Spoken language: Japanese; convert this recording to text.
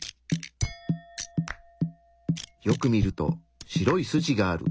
よく見ると白い筋がある。